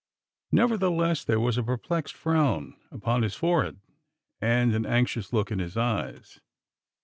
Nevertheless, there was a perplexed frown upon his forehead and an anxious look in his eyes.